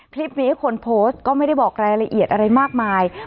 คลิปนี้คนโพสต์ก็ไม่ได้บอกรายละเอียดอะไรมากมาย